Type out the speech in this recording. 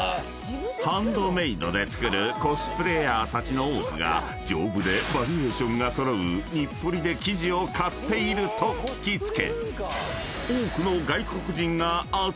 ［ハンドメードで作るコスプレーヤーたちの多くが丈夫でバリエーションが揃う日暮里で生地を買っていると聞き付け多くの］